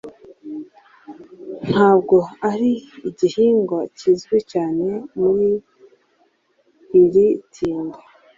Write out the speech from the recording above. ntabwo ari Igihingwa kizwi cyane muri iri tinda